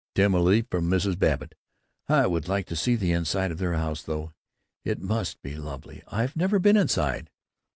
Timidly from Mrs. Babbitt: "I would like to see the inside of their house though. It must be lovely. I've never been inside."